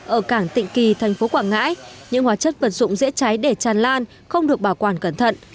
ở cảng tịnh kỳ thành phố quảng ngãi những hóa chất vật dụng dễ cháy để tràn lan không được bảo quản cẩn thận